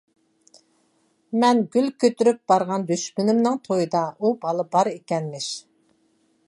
مەن گۈل كۆتۈرۈپ بارغان دۈشمىنىمنىڭ تويىدا ئۇ بالا بار ئىكەنمىش.